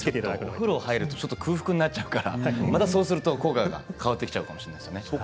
お風呂に入るとまた空腹になっちゃうからまた効果が変わってきちゃうかもしれないですね。